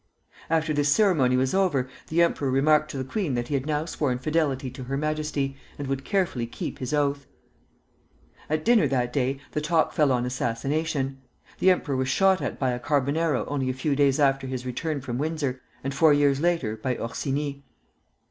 After this ceremony was over, the emperor remarked to the queen that he had now sworn fidelity to her Majesty, and would carefully keep his oath. At dinner that day the talk fell on assassination. The emperor was shot at by a Carbonaro only a few days after his return from Windsor, and four years later by Orsini.